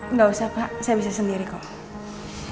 nggak usah pak saya bisa sendiri kok